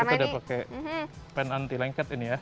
kita udah pakai pen anti lengket ini ya